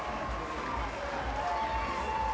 あ